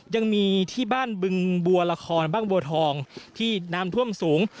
ยังมีที่บ้านบึงบัวละครบ้างบัวทองที่น้ำท่วมสูง